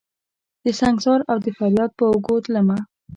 دسنګسار اودفریاد په اوږو تلمه